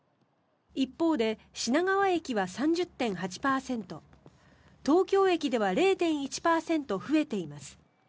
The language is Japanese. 一方で品川駅は３０．８％東京駅では０．１％増えています。